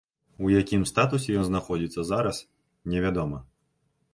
У якім статусе ён знаходзіцца зараз, невядома.